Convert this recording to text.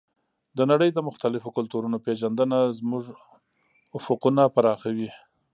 د نړۍ د مختلفو کلتورونو پېژندنه زموږ افقونه پراخوي.